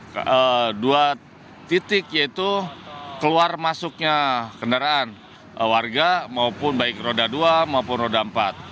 jadi dua titik yaitu keluar masuknya kendaraan warga maupun baik roda dua